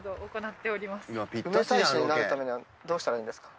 梅大使になるためにはどうしたらいいんですか？